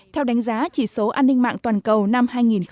theo đánh giá chỉ số an ninh mạng toàn cầu năm hai nghìn một mươi chín